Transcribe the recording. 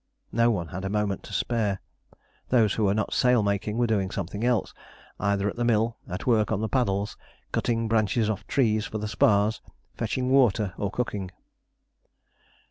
No one had a moment to spare. Those who were not sail making were doing something else, either at the mill, at work on the paddles, cutting branches off trees for the spars, fetching water, or cooking.